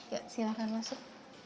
ya silahkan masuk